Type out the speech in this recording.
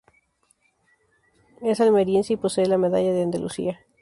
Es almeriense y posee la Medalla de Andalucía.